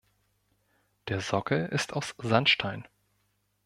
Der Sockel ist aus Sandstein.